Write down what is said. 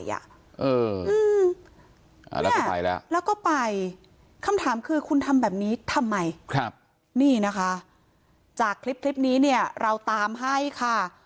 แล้วก็ไปแล้วแล้วก็ไปคำถามคือคุณทำแบบนี้ทำไมครับนี่นะคะจากคลิปนี้เนี่ยเราตามให้ค่ะ